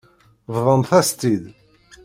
Bḍant-as-tt-id.